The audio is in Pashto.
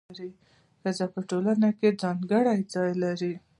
ښځه په ټولنه کي ځانګړی ځای لري.